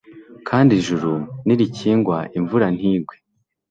kandi ijuru nirikingwa imvura ntigwe